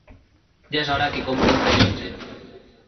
Ja és hora que compri un rellotge.